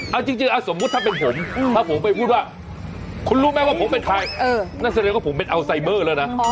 เอาจริงสมมุติถ้าเป็นผมถ้าผมไปพูดว่าคุณรู้ไหมว่าผมเป็นใครนั่นแสดงว่าผมเป็นอัลไซเบอร์แล้วนะ